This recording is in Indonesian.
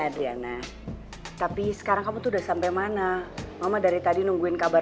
bentar lagi aku kirimin nomor alex ke mama